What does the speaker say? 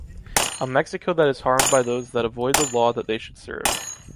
A Mexico that is harmed by those that avoid the law that they should serve.